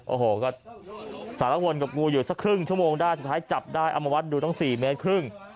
โอ้โหก็สารวนกับงูอยู่สักครึ่งชั่วโมงได้สุดท้ายจับได้เอามาวัดดูต้อง๔เมตรครึ่ง